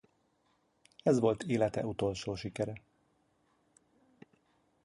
Ez volt élete utolsó sikere.